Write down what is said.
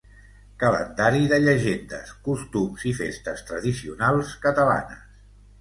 Calendari de llegendes, costums i festes tradicionals catalanes.